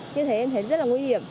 như thế em thấy rất là nguy hiểm